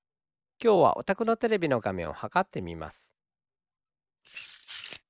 きょうはおたくのテレビのがめんをはかってみます。